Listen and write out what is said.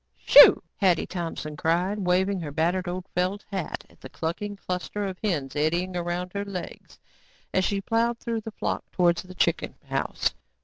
"Shoo," Hetty Thompson cried, waving her battered old felt hat at the clucking cluster of hens eddying around her legs as she plowed through the flock towards the chicken house.